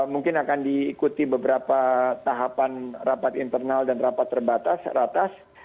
mungkin akan diikuti beberapa tahapan rapat internal dan rapat terbatas ratas